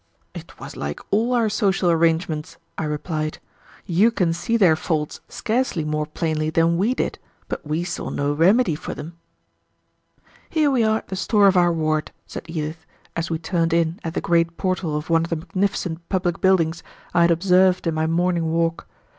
"It was like all our social arrangements," I replied. "You can see their faults scarcely more plainly than we did, but we saw no remedy for them." "Here we are at the store of our ward," said Edith, as we turned in at the great portal of one of the magnificent public buildings I had observed in my morning walk.